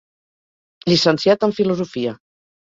Llicenciat en filosofia.